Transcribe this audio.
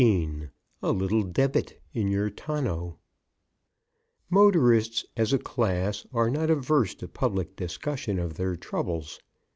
XV A LITTLE DEBIT IN YOUR TONNEAU Motorists, as a class, are not averse to public discussion of their troubles.